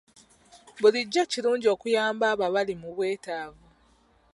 Bulijjo kirungi okuyamba abo abali mu bwetaavu.